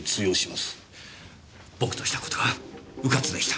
僕とした事がうかつでした。